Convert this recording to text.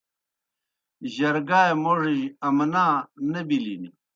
جرگائے موڙِجیْ امنا نہ بِلِن۔